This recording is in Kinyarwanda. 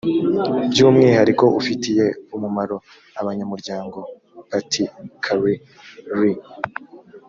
by umwihariko ufitiye umumaro abanyamuryango particuli re